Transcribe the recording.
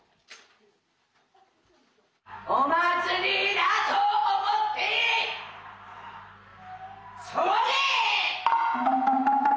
お祭りだと思って騒げ！